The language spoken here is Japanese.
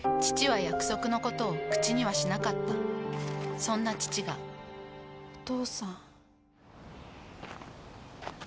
父は約束のことを口にはしなかったそんな父がお父さん。